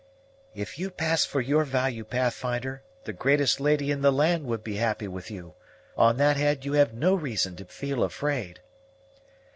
"If you pass for your value, Pathfinder, the greatest lady in the land would be happy with you. On that head you have no reason to feel afraid."